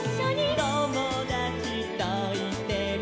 「ともだちといても」